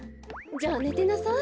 じゃあねてなさい。